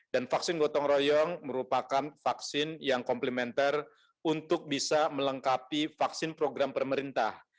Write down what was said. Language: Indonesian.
dan vaksin gotong royong merupakan vaksin yang komplementer untuk bisa melengkapi vaksin program pemerintah